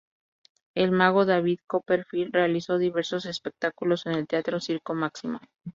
El mago David Copperfield realizó diversos espectáculos en el teatro "Circo Máximo".